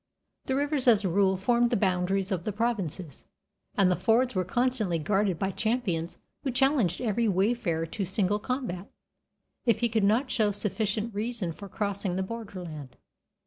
The rivers as a rule formed the boundaries of the provinces, and the fords were constantly guarded by champions who challenged every wayfarer to single combat, if he could not show sufficient reason for crossing the borderland.